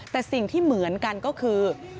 แต่สิ่งที่เหมือนกันก็คือ